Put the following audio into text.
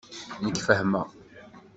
Nekk fehmeɣ.